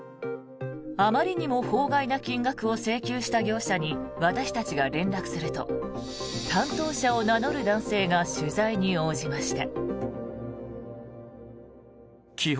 あまりにも法外な金額を請求した業者に私たちが連絡すると担当者を名乗る男性が取材に応じました。